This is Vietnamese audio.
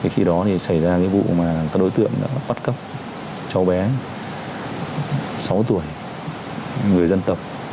khi đó thì xảy ra cái vụ mà đối tượng đã bắt cắp cháu bé sáu tuổi người dân tộc